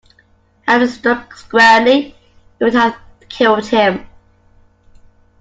Had it struck squarely it would have killed him.